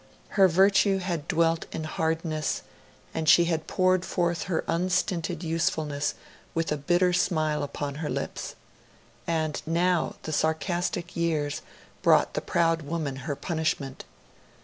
Her virtue had dwelt in hardness, and she had poured forth her unstinted usefulness with a bitter smile upon her lips. And now the sarcastic years brought the proud woman her punishment.